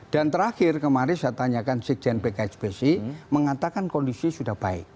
dan terakhir kemarin saya tanyakan sekjen pkhbc mengatakan kondisi sudah baik